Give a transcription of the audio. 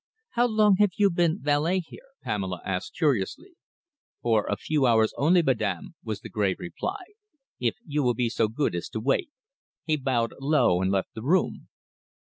"How long have you been valet here?" Pamela asked curiously. "For a few hours only, madam," was the grave reply. "If you will be so good as to wait." He bowed low and left the room.